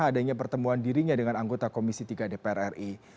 adanya pertemuan dirinya dengan anggota komisi tiga dpr ri